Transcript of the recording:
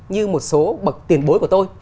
như một số bậc tiền bối của tôi